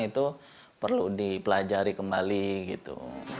itu perlu dipelajari kembali gitu